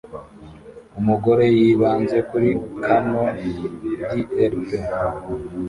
Umugore yibanze kuri Canon DLP